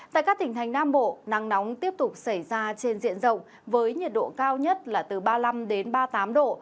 tại các tỉnh thành nam bộ nắng nóng tiếp tục xảy ra trên diện rộng với nhiệt độ cao nhất là từ ba mươi năm đến ba mươi tám độ